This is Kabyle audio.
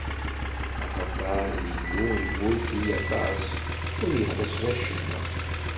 Axaṭer Illu iburek-iyi aṭas, ur yi-ixuṣṣ wacemma.